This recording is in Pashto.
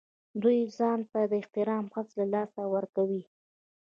دوی ځان ته د احترام حس له لاسه ورکوي.